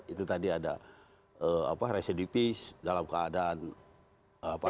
itu tadi ada apa residu peace dalam keadaan apa